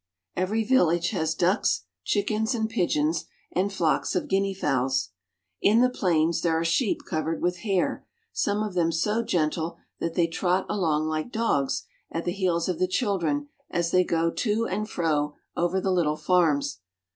Every village has ducks, chickens, and pigeons, and icks of guinea fowls. In the plains there are sheep ivered with hair, some of them so gentle that they trot along like dogs at the heels of the children as they go to and fro over the little farms.